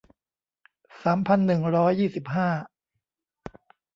สามพันหนึ่งร้อยยี่สิบห้า